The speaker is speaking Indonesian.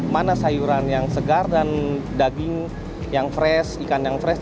mana sayuran yang segar dan daging yang fresh ikan yang fresh